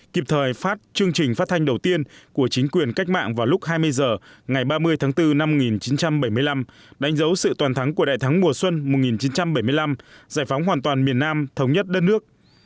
kịp thời phát chương trình phát thanh đầu tiên của chính quyền cách mạng vào lúc hai mươi h ngày ba mươi tháng bốn năm một nghìn chín trăm bảy mươi năm đánh dấu sự toàn thắng của đại thắng mùa xuân một nghìn chín trăm bảy mươi năm giải phóng hoàn toàn miền nam thống nhất đất nước